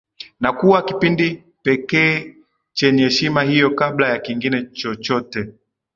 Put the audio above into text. Na kuwa kipindi pekee chenye heshima hiyo kabla ya kingine chochote